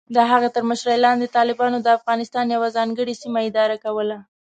د هغه تر مشرۍ لاندې، طالبانو د افغانستان یوه ځانګړې سیمه اداره کوله.